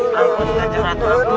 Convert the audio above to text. mereka sudah menyerah